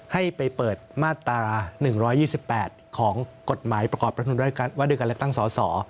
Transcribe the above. ให้ไปเปิดมาตรา๑๒๘ของกฎหมายประกอบประทุนวัตถุการณ์ตั้งสอสอ